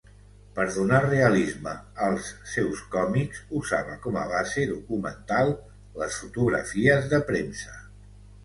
Per donar realisme als seus còmics, usava com a base documental las fotografies de premsa.